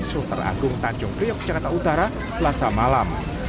suter agung tanjung kriok jakarta utara selasa malam